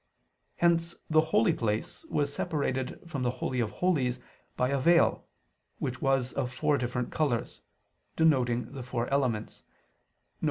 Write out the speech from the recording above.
Hence the Holy Place was separated from the Holy of Holies by a veil, which was of four different colors (denoting the four elements), viz.